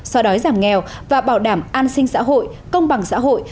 so đói giảm nghèo và bảo đảm an sinh xã hội công bằng xã hội